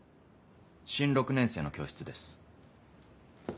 新６年生の教室です。